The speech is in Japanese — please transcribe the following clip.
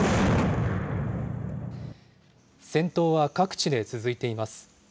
戦闘は各地で続いています。